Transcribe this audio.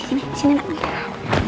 sini sini rena